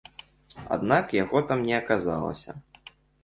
Аднак яго там не аказалася.